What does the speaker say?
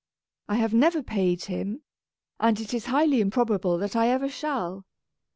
I have never paid him, and it is highly improbable that I ever shall.